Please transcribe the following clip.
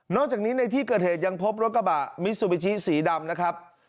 จากนี้ในที่เกิดเหตุยังพบรถกระบะมิซูบิชิสีดำนะครับ